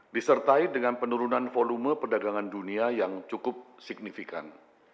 disertai dengan penurunan volume perdagangan dunia yang cukup signifikan